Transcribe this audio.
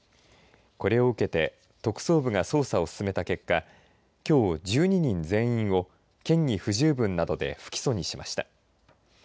これを受けて特捜部が捜査を進めた結果きょう、１２人全員を嫌疑不十分などで不起訴にしました。